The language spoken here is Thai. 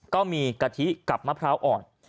ก็มีกะทิกับมะพร้าวอ่อน